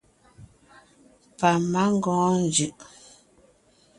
Pamangɔɔn njʉʼ.